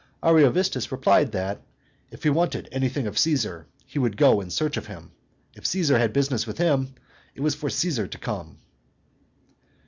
Ariovistus replied that "if he wanted anything of Caesar, he would go in search of him; if Caesar had business with him, it was for Caesar to come."